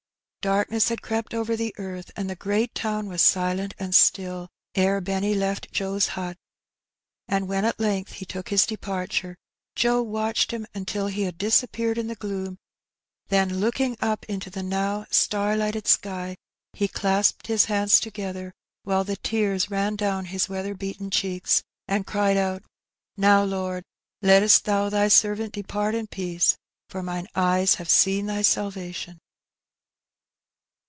Darkness had crept over the earth, and the great town was silent and still, ere Benny left Joe*s hut; and when at length he took his departure, Joe watched him until he had disappeared in the gloom, then looking up into the now star lighted sky, he clasped his hands together, while the tears ran down his weather beaten cheeks, and cried out "Now, Lord, lettest Thou Thy servant depart in peace, for mine eyes have seen Thy salvation.